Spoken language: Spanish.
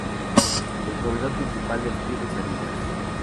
El proveedor principal del club es Adidas.